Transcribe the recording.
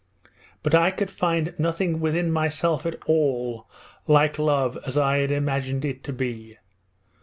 But I could find nothing within myself at all like love as I had imagined it to be.